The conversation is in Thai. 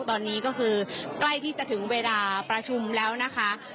ตอนนี้ก็คือใกล้ที่จะถึงเวลาประชุมแล้วนะคะ